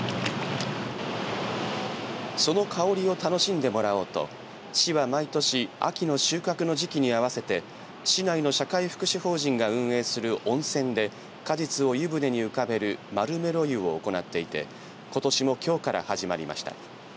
その香りを楽しんでもらおうと市は毎年秋の収穫の時期に合わせて市内の社会福祉法人が運営する温泉で果実を湯舟に浮かべるマルメロ湯を行っていてことしもきょうから始まりました。